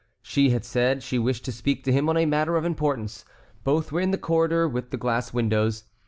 She had said she wished to speak to him on a matter of importance. Both were in the corridor with the glass windows.